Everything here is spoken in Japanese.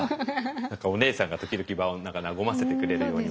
何かお姉さんが時々場を和ませてくれるようにも。